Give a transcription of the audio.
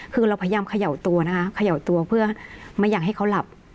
คือเราพยายามเขย่าตัวนะคะเขย่าตัวเพื่อไม่อยากให้เขาหลับ